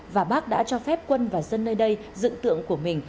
và bác đã cho phép quân và dân nơi đây dựng tượng của mình